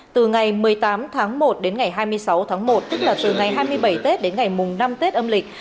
từ ngày một mươi tám tháng một đến ngày hai mươi sáu tháng một tức là từ ngày hai mươi bảy tết đến ngày mùng năm tết âm lịch